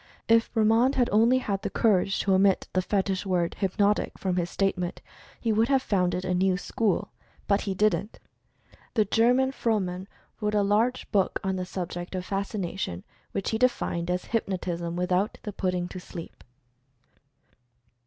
If Bremand had only had the cour age to omit the fetich word "hypnotic" from his state ment, he would have founded a new school. But he didn't! The German, Froman, wrote a large book on Story of Mental Fascination 37 the subject of "Fascination," which he defined as "Hypnotism, without the putting to sleep."